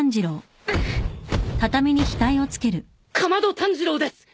竈門炭治郎です！